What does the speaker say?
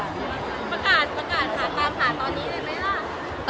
มันขาดมันขาดตอนนี้ได้ไหมล่ะ